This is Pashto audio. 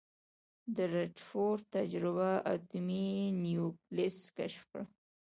د ردرفورډ تجربه اټومي نیوکلیس کشف کړ.